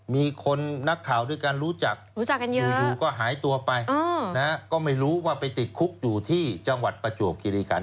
มีคนนักข่าวด้วยการรู้จักรู้จักกันอยู่ก็หายตัวไปก็ไม่รู้ว่าไปติดคุกอยู่ที่จังหวัดประจวบคิริคัน